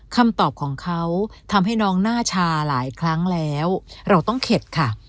คำตอบของเขาทำให้น้องหน้าชาหลายครั้งแล้วเราต้องเข็ดค่ะ